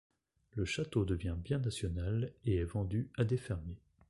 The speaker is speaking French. Le château devient bien national et est vendu à des fermiers.